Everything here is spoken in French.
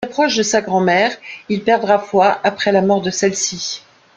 Très proche de sa grand-mère, il perdra foi après la mort de celle-ci.